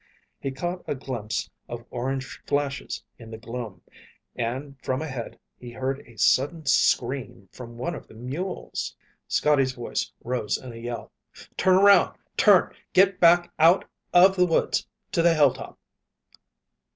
He caught a glimpse of orange flashes in the gloom, and from ahead he heard a sudden scream from one of the mules. Scotty's voice rose in a yell. "Turn around! Turn! Get back out of the woods to the hilltop!"